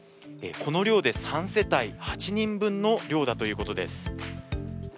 この量で３世帯８人分の量だということです。